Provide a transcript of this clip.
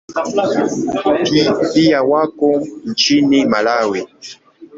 Pia wako nchini Malawi.